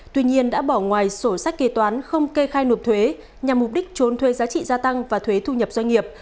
tuy nhiên đã bỏ ngoài sổ sách kế toán không kê khai nộp thuế nhằm mục đích trốn thuế giá trị gia tăng và thuế thu nhập doanh nghiệp